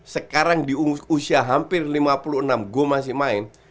sekarang di usia hampir lima puluh enam gue masih main